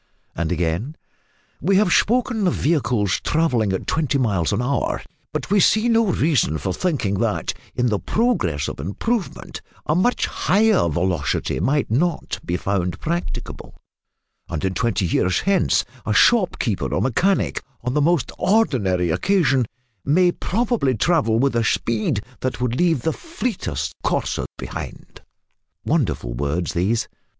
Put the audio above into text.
And again, "We have spoken of vehicles travelling at twenty miles an hour; but we see no reason for thinking that, in the progress of improvement, a much higher velocity might not be found practicable; and in twenty years hence a shopkeeper or mechanic, on the most ordinary occasion, may probably travel with a speed that would leave the fleetest courser behind." Wonderful words these!